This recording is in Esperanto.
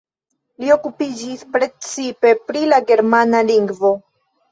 Li okupiĝis precipe pri la germana lingvo.